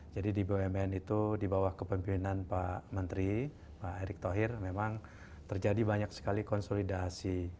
jadi di bumn itu di bawah kepemimpinan pak menteri pak erick thohir memang terjadi banyak sekali konsolidasi